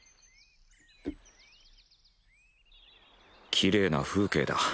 きれいな風景だ。